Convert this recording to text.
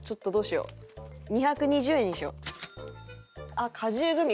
あっ果汁グミ。